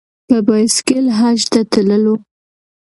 په بایسکل حج ته تللو.